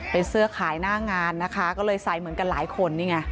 เป็นเสื้อขายหน้างานนะคะก็เลยใส่เหมือนกันหลายคนนี่ไง